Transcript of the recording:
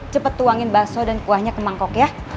cepet tuangin bakso dan kuahnya ke mangkok ya